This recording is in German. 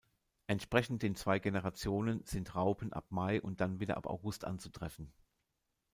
Entsprechend den zwei Generationen sind Raupen ab Mai und dann wieder ab August anzutreffen.